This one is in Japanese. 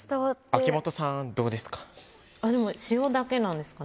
秋元さんどうですか？